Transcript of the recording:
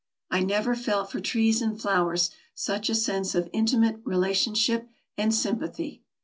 I never felt for trees and flowers such a sense of intimate relationship and sympathy.